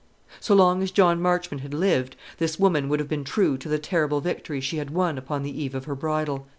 So long as John Marchmont had lived, this woman would have been true to the terrible victory she had won upon the eve of her bridal.